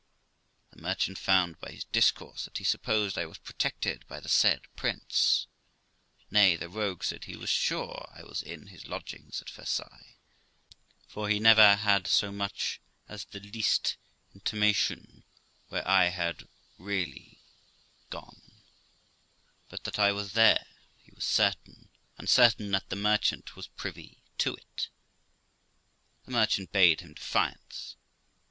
The merchant found by his discourse that he supposed I was protected by the said Prince de ; nay, the rogue said he was sure I was in his lodgings at Versailles, for he never had so much as the least intimation of the way I was really gone; but that I was there he was certain, and certain that the merchant was privy to it. The merchant bade him defiance.